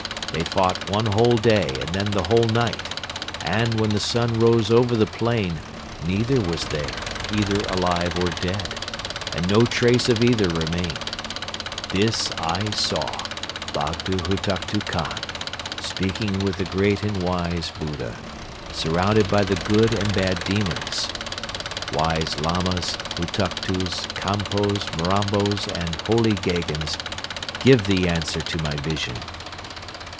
They fought one whole day and then the whole night and, when the sun rose over the plain, neither was there, either alive or dead, and no trace of either remained. This I saw, Bogdo Hutuktu Khan, speaking with the Great and Wise Buddha, surrounded by the good and bad demons! Wise Lamas, Hutuktus, Kampos, Marambas and Holy Gheghens, give the answer to my vision!"